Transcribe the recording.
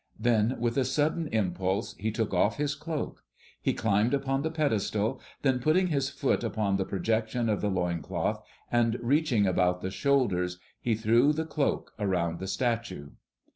Then with a sudden impulse he took off his cloak. He climbed upon the pedestal, then putting his foot upon the projection of the loin cloth, and reaching about the shoulders, he threw the cloak around the statue.